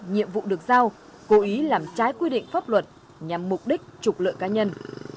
nhiệm vụ được giao cố ý làm trái quy định pháp luật nhằm mục đích trục lợi cá nhân